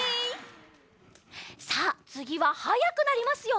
さあつぎははやくなりますよ！